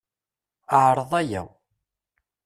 Ɛreḍ aya.